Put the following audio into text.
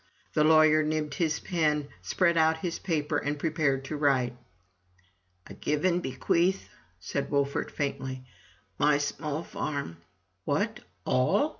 The lawyer nibbed his pen, spread out his paper, and prepared to write. " I give and bequeath," said Wolfert, faintly, "my small farm" "What — all!"